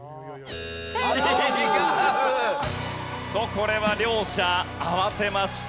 これは両者慌てました。